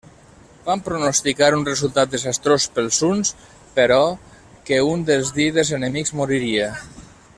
Van pronosticar un resultat desastrós pels huns, però que un dels líders enemics moriria.